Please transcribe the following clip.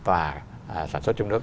và sản xuất trong nước